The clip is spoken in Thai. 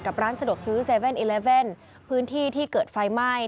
ร้านสะดวกซื้อ๗๑๑พื้นที่ที่เกิดไฟไหม้